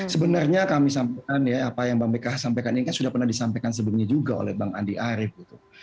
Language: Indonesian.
sebenarnya kami sampaikan ya apa yang mbak beka sampaikan ini kan sudah pernah disampaikan sebelumnya juga oleh bang andi arief gitu